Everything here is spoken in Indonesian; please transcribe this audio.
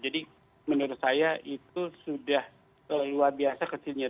jadi menurut saya itu sudah luar biasa